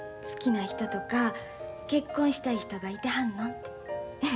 好きな人とか結婚したい人がいてはんのんて。